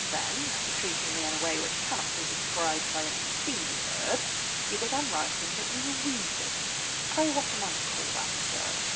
Then after treating me in a way which cannot be described by any seemly word, you began writing that you were wounded. Pray, what am I to call that, sir?